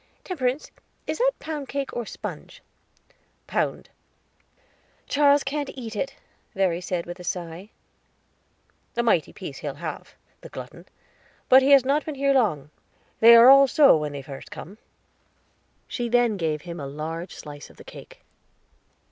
"Temperance, is that pound cake, or sponge?" "Pound." "Charles can eat it," Verry said with a sigh. "A mighty small piece he'll have the glutton. But he has not been here long; they are all so when they first come." She then gave him a large slice of the cake.